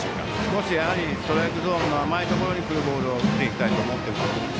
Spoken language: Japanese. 少しストライクゾーンの甘いところのボールを打っていきたい。